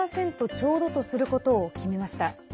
ちょうどとすることを決めました。